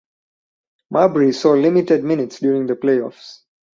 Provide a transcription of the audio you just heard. Mabrey saw limited minutes during the playoffs.